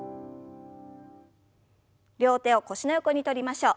両手を腰の横に取りましょう。